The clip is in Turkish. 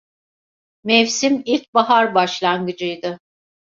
Mevsim ilkbahar başlangıcıydı.